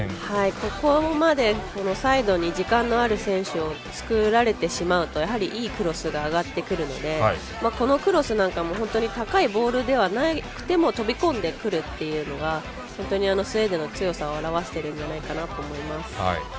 ここまでサイドに時間のある選手を作られてしまうといいクロスが上がってくるのでこのクロスなんかも本当に高いボールではなくても飛び込んでくるっていうのが本当にスウェーデンの強さを表しているんじゃないかなと思います。